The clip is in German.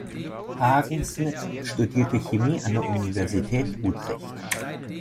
Haagen-Smit studierte Chemie an der Universität Utrecht.